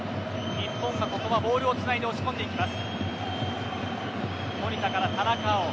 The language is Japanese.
日本がボールをつないで押し込んでいきます。